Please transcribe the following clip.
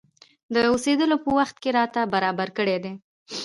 د اوسېدلو په وخت کې راته برابر کړي دي.